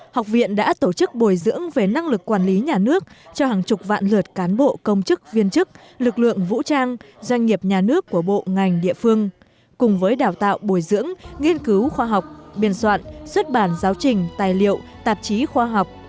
học viện đã tổ chức bồi dưỡng về năng lực quản lý nhà nước cho hàng chục vạn lượt cán bộ công chức viên chức lực lượng vũ trang doanh nghiệp nhà nước của bộ ngành địa phương cùng với đào tạo bồi dưỡng nghiên cứu khoa học biên soạn xuất bản giáo trình tài liệu tạp chí khoa học